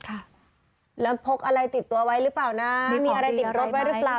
ค่ะแล้วพกอะไรติดตัวไว้หรือเปล่านะมีอะไรติดรถไว้หรือเปล่า